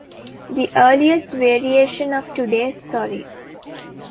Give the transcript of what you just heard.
The earliest variation of today's Sorry!